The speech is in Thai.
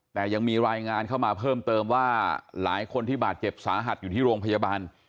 แต่ยังมีรายงานเข้ามาเพิ่มเติมว่าหลายคนที่บาดเจ็บสาหัสอยู่ที่โรงพยาบาล